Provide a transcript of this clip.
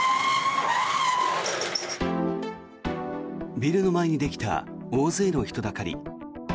ビルの前にできた大勢の人だかり。